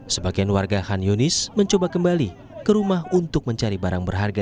sebagian warga han yunis mencoba kembali ke rumah untuk mencari barang berharga